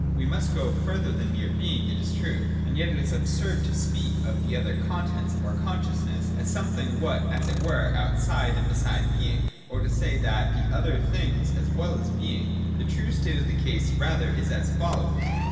We mus go further than mere Being, it is true : and yet it is absurd t' speak of the other contents of our consciousness as some what as it were outside and beside Being, or to say tha 86 8;.] BEING AND NOTHING. i6i there are other things, as well as Being. The true state of the case is rather as follows.